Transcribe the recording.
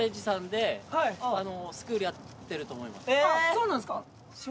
そうなんすか。